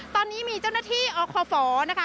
ตอนนี้มีเจ้าหน้าที่ออร์คอฟอร์นะคะ